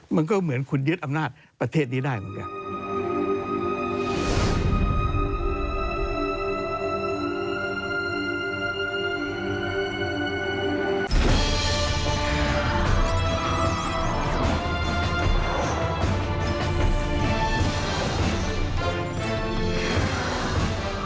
มันก็เหมือนคุณยึดอำนาจประเทศนี้ได้เหมือนกัน